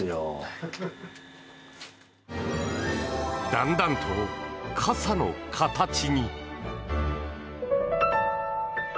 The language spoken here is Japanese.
だんだんと傘の形に。